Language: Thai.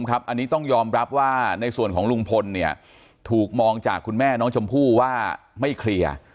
อันนี้ต้องยอมรับว่าในส่วนของลุงพลถูกมองจากคุณแม่น้องชมพู่ว่าไม่เคลียร์